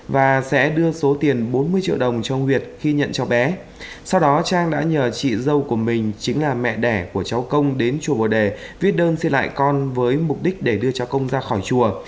và sẽ đưa số tiền bốn mươi triệu đồng cho ông nguyệt khi nhận cho bé sau đó trang đã nhờ chị dâu của mình chính là mẹ đẻ của cháu công đến chùa bồ đề viết đơn xin lại con với mục đích để đưa cháu công ra khỏi chùa